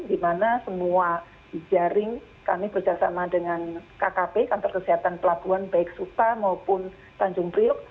di mana semua jaring kami bekerjasama dengan kkp kantor kesehatan pelabuhan baik supa maupun tanjung priok